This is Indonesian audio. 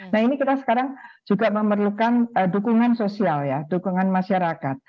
nah ini kita sekarang juga memerlukan dukungan sosial ya dukungan masyarakat